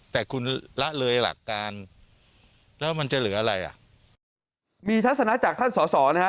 แต่คุณละเลยหลักการแล้วมันจะเหลืออะไรอ่ะมีทัศนะจากท่านสอสอนะฮะ